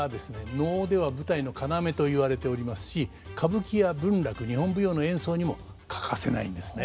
能では舞台の要と言われておりますし歌舞伎や文楽日本舞踊の演奏にも欠かせないんですね。